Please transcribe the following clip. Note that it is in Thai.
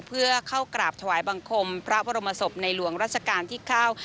เพื่อเข้ากราบถวายบังคมพระบรมศพในหลวงรัชกาลที่เก้า